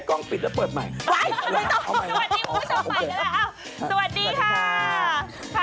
ไม่ต้องสวัสดีผู้ชมฝากกันแล้วเอาสวัสดีค่ะสวัสดีค่ะ